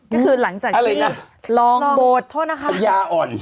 ก็คือหลังจากที่ลองบทพยายามพยายามอ่อน